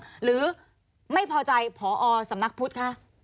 หรือไม่พอใจผอสำนักพุทธคะ